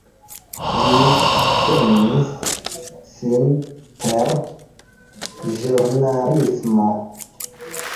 Li subtenis sin per ĵurnalismo.